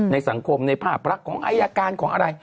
ในสังคมในภาพรักของอายการของอะไร